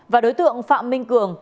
và đối tượng phạm minh cường